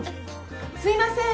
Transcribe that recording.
すいません！